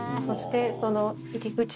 そしてそのあっ。